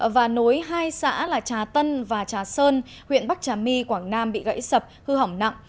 và nối hai xã là trà tân và trà sơn huyện bắc trà my quảng nam bị gãy sập hư hỏng nặng